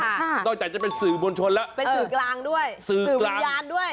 นอกจากจะเป็นสื่อมวลชนแล้วเป็นสื่อกลางด้วยสื่อสื่อวิญญาณด้วย